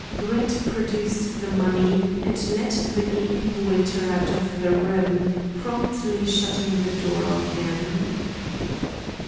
Brett produced the money and led the gaping waiter out of the room, promptly shutting the door on him.